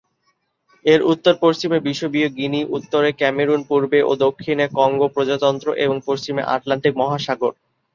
এর উত্তর-পশ্চিমে বিষুবীয় গিনি, উত্তরে ক্যামেরুন, পূর্বে ও দক্ষিণে কঙ্গো প্রজাতন্ত্র, এবং পশ্চিমে আটলান্টিক মহাসাগর।